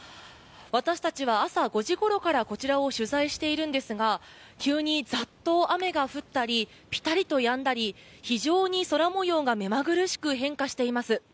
私たちは朝５時ごろからこちらを取材しているんですが急にざっと雨が降ったりぴたりとやんだり非常に空模様が目まぐるしく変化しています。